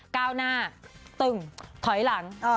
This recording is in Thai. ก้าวหน้าตึงถอยหลัง